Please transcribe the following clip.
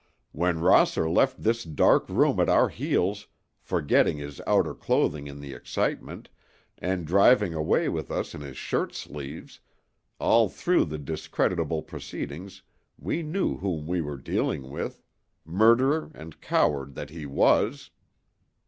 When Rosser left this dark room at our heels, forgetting his outer clothing in the excitement, and driving away with us in his shirt sleeves—all through the discreditable proceedings we knew whom we were dealing with, murderer and coward that he was!"